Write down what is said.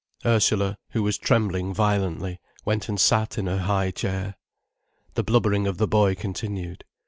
Ursula, who was trembling violently, went and sat in her high chair. The blubbering of the boy continued.